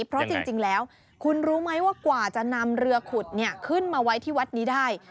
เพราะจริงแล้วคุณรู้ไหมว่ากว่าจะนำเรือขุดขึ้นมาไว้ที่วัดนี้ได้